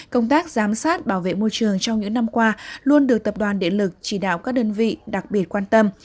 công tác giám sát bảo vệ môi trường trong những năm qua luôn được tập đoàn điện lực chỉ đạo các đơn vị đặc biệt quan tâm